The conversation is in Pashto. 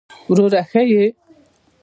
وروره ښه يې!